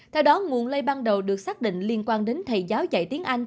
theo đó nguồn lây ban đầu được xác định liên quan đến thầy giáo dạy tiếng anh